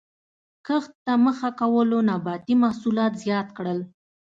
کښت ته مخه کولو نباتي محصولات زیات کړل.